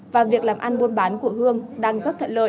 và việc làm ăn buôn bán của hương đang rất thuận lợi